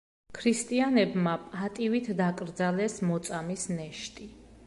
ქრისტიანებმა პატივით დაკრძალეს მოწამის ნეშტი.